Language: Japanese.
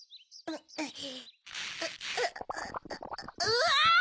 うわ！